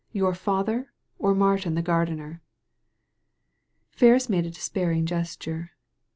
"Your father, or Martin the gardener?" Ferris made a despairing gesture.